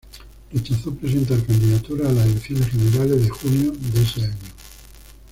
Rechazó presentar candidaturas a las elecciones generales de junio de ese año.